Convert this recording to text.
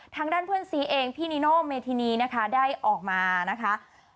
ทางด้านเพื่อนซีเองพี่นิโนเมธินีนะคะได้ออกมานะคะ